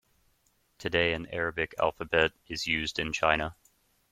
Today an Arabic alphabet is used in China.